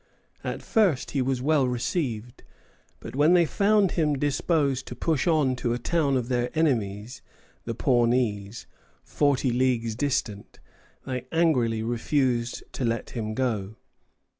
At first he was well received; but when they found him disposed to push on to a town of their enemies, the Pawnees, forty leagues distant, they angrily refused to let him go.